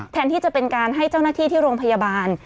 แทนที่จะเป็นการให้เจ้าหน้าที่ที่โรงพยาบาล